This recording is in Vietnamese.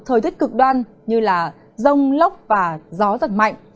thời thức cực đoan như rông lóc và gió thật mạnh